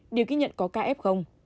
đều ghi nhận có ca f